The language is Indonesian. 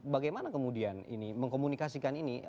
bagaimana kemudian ini mengkomunikasikan ini